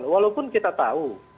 walaupun kita tahu